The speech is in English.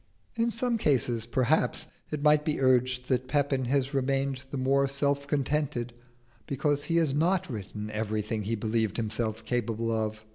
In some cases, perhaps, it might be urged that Pepin has remained the more self contented because he has not written everything he believed himself capable of.